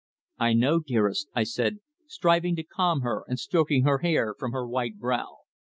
"I know, dearest," I said, striving to calm her, and stroking her hair from her white brow.